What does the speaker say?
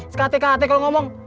sekatek katek lu ngomong